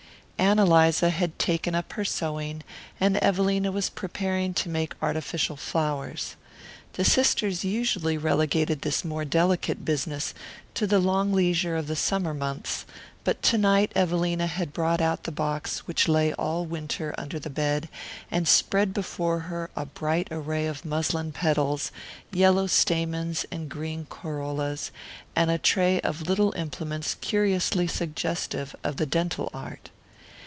Ann Eliza had taken up her sewing, and Evelina was preparing to make artificial flowers. The sisters usually relegated this more delicate business to the long leisure of the summer months; but to night Evelina had brought out the box which lay all winter under the bed, and spread before her a bright array of muslin petals, yellow stamens and green corollas, and a tray of little implements curiously suggestive of the dental art.